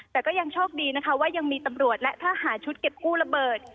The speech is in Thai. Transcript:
แต่ก็ยังโชคดีนะคะว่ายังมีตำรวจและทหารชุดเก็บกู้ระเบิด